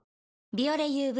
「ビオレＵＶ」